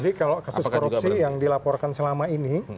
jadi kalau kasus korupsi yang dilaporkan selama ini